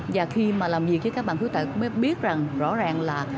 và khi mà làm việc với các bạn khuyết tật cũng biết rằng rõ ràng là